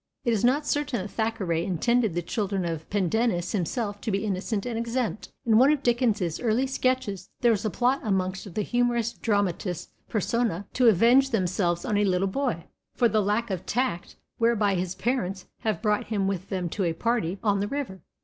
It is not certain that Thackeray intended the children of Pendennis himself to be innocent and exempt. In one of Dickens's early sketches there is a plot amongst the humorous dramatis personae, to avenge themselves on a little boy for the lack of tact whereby his parents have brought him with them to a party on the river.